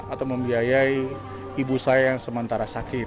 atau membiayai ibu saya yang sementara sakit